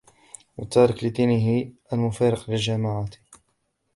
وَالتَّارِكِ لِدِينِهِ الْمُفَارِقِ لِلْجَمَاعَةِ